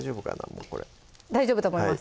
もうこれ大丈夫と思います